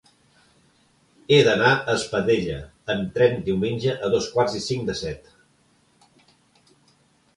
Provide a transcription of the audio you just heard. He d'anar a Espadella amb tren diumenge a dos quarts i cinc de set.